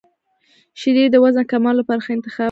• شیدې د وزن کمولو لپاره ښه انتخاب دي.